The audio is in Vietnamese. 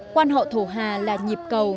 quan họ thổ hà là nhịp cầu